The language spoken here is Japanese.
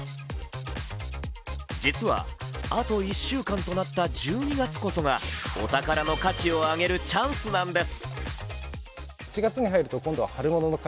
実は、あと１週間となった１２月こそがお宝の価値を上げるチャンスなんです。